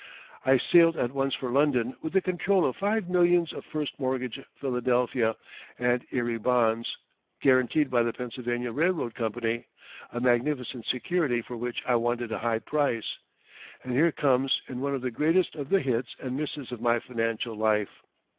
I sailed at once for London with the control of five millions of first mortgage Philadelphia and Erie Bonds, guaranteed by the Pennsylvania Railroad Company a magnificent security for which I wanted a high price. And here comes in one of the greatest of the hits and misses of my financial life.